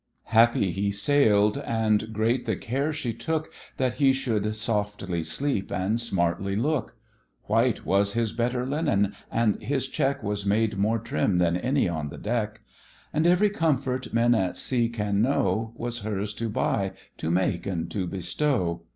Happy he sail'd, and great the care she took That he should softly sleep and smartly look; White was his better linen, and his check Was made more trim than any on the deck; And every comfort men at sea can know Was hers to buy, to make, and to bestow?